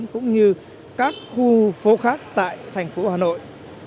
cũng như các khu phố khác tại thành phố hà nội